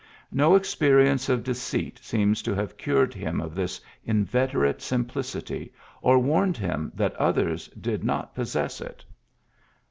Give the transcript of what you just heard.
No experience of deceit seems to have cured him of this inveterate simplicity or warned him that others did not pos sess it.